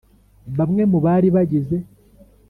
bamwe mu bari bagize